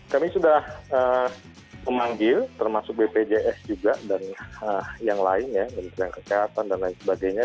kami sudah memanggil termasuk bpjs juga dan yang lainnya menteri kesehatan dan lain sebagainya